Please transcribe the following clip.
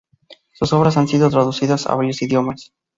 Sus obras han sido traducidas a varios idiomas.